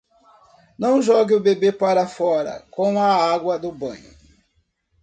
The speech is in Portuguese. Não jogue o bebê para fora com a água do banho.